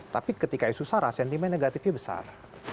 tapi ketika isu sara sentimen negatifnya besar